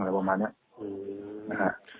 เมื่อมานี่